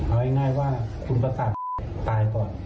เอาง่ายว่าคุณประสาทตายก่อน